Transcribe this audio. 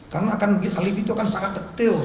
karena alibi itu akan sangat detail